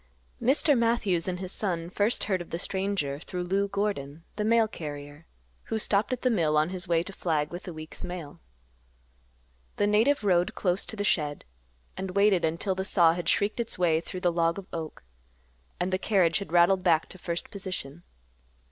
Mr. Matthews and his son first heard of the stranger through Lou Gordon, the mail carrier, who stopped at the mill on his way to Flag with the week's mail. The native rode close to the shed, and waited until the saw had shrieked its way through the log of oak, and the carriage had rattled back to first position.